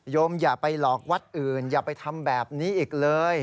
อย่าไปหลอกวัดอื่นอย่าไปทำแบบนี้อีกเลย